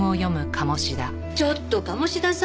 ちょっと鴨志田さん！